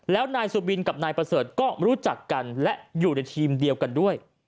แล้วนายสุบินกับนายประเสริฐก็รู้จักกันและอยู่ในทีมเดียวกันด้วย